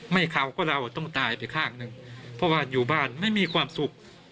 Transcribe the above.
เขาก็เราต้องตายไปข้างหนึ่งเพราะว่าอยู่บ้านไม่มีความสุข